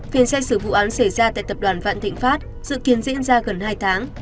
phiên xét xử vụ án xảy ra tại tập đoàn vạn thịnh pháp dự kiến diễn ra gần hai tháng